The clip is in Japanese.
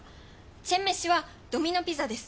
チェンメシはドミノピザです。